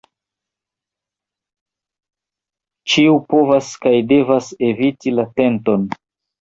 Ĉiu povas kaj devas eviti la tenton.